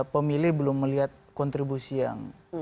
pemilih belum melihat kontribusi yang